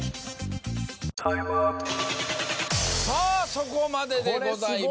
そこまででございます。